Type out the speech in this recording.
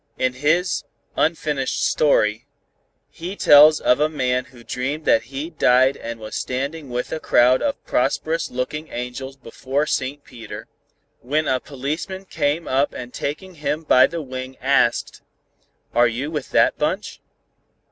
In his 'Unfinished Story' he tells of a man who dreamed that he died and was standing with a crowd of prosperous looking angels before Saint Peter, when a policeman came up and taking him by the wing asked: 'Are you with that bunch?'